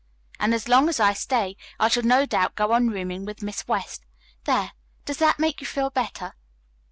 And as long as I stay I shall no doubt go on rooming with Miss West. There, does that make you feel better?"